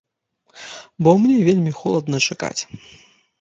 Бо мне вельмі холадна чакаць.